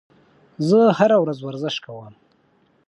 زه هره ورځ ورزش کوم.